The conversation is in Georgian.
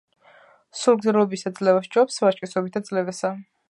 სულრგრძელობითა ძლევა სჯობს, ვაჟკაცობითა ძლევასა.